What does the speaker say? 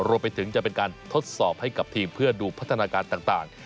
รวมไปถึงจะเป็นการทดสอบให้กับทีมเพื่อดูพัฒนาการต่าง